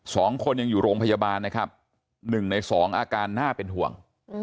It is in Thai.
สองคนยังอยู่โรงพยาบาลนะครับหนึ่งในสองอาการน่าเป็นห่วง